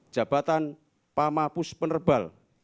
jabatan pamapus penerbal